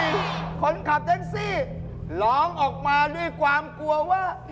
นี่คนขับแท็กซี่ร้องออกมาด้วยความกลัวว่า